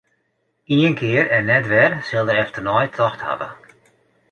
Ien kear en net wer sil er efternei tocht hawwe.